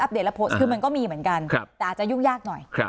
เดตแล้วโพสต์คือมันก็มีเหมือนกันแต่อาจจะยุ่งยากหน่อย